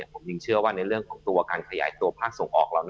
ผมเชื่อว่าในเรื่องของการขยายตัวพากส่งออก